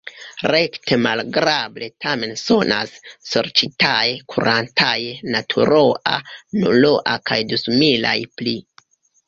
Rekte malagrable tamen sonas: sorĉitae, kurantae, naturoa, nuloa kaj du similaj pli.